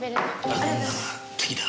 あの女は敵だ。